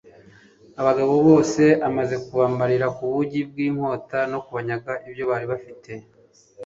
abagabo bose amaze kubamarira ku bugi bw'inkota no kubanyaga ibyo bari bafite